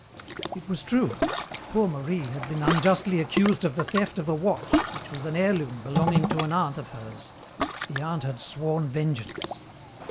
"It was true. Poor Marie had been unjustly accused of the theft of a watch which was an heirloom belonging to an aunt of hers. The aunt had sworn vengeance.